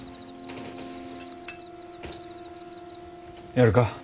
やるか？